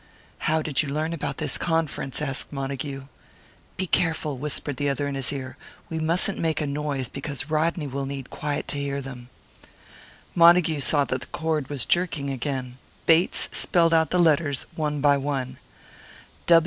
"How did you learn about this conference?" asked Montague. "Be careful," whispered the other in his ear. "We mustn't make a noise, because Rodney will need quiet to hear them." Montague saw that the cord was jerking again. Bates spelled out the letters one by one.